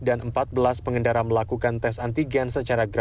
dan empat belas pengendara melukis